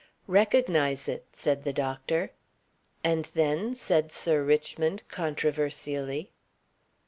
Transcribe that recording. "Recognize it," said the doctor. "And then?" said Sir Richmond, controversially.